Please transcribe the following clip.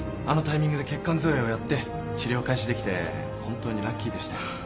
あのタイミングで血管造影をやって治療開始できて本当にラッキーでしたよ。